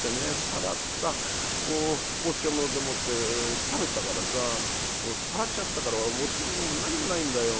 さらったお漬物でもって食べてたからささらっちゃったからお漬物も何もないんだよ。